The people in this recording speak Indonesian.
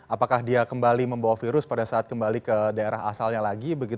apakah dia kembali membawa virus pada saat kembali abeah asal nya lagi